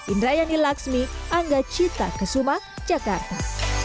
indra yani laxmi angga cita kesumang jakarta